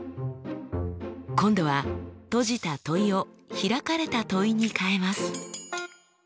今度は閉じた問いを開かれた問いに変えます。